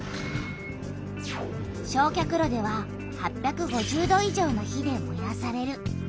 焼却炉では８５０度以上の火でもやされる。